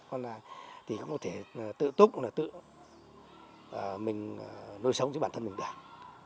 còn là thì cũng có thể tự túc tự mình nuôi sống cho bản thân mình được